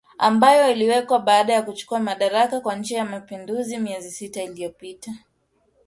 ambayo iliwekwa baada ya kuchukua madaraka kwa njia ya mapinduzi miezi sita iliyopita